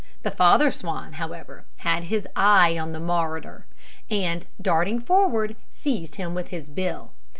The father swan, however, had his eye on the marauder, and, darting forward, seized him with his bill.